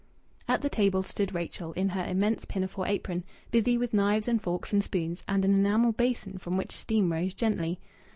At the table stood Rachel, in her immense pinafore apron, busy with knives and forks and spoons, and an enamel basin from which steam rose gently.